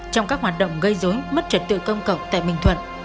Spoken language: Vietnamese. trong các hoạt động gây dối mất trật tự công cộng tại bình thuận